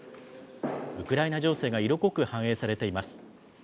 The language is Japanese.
ウクライナ情勢が色濃く反映されています。